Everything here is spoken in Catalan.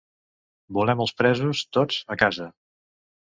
Volem els presos, tots, a casa.